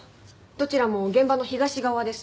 どちらも現場の東側です。